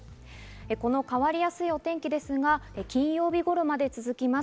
この変わりやすいお天気ですが、金曜日頃まで続きます。